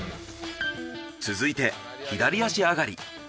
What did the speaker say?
続いて左足上がり。